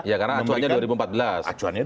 ya karena acuannya dua ribu empat belas